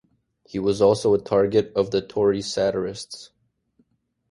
He was also a target of the Tory satirists.